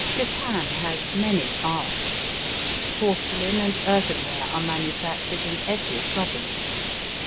Japan has many arts. Porcelain and earth enware are manufactured in every province.